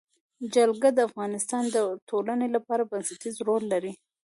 جلګه د افغانستان د ټولنې لپاره بنسټيز رول لري.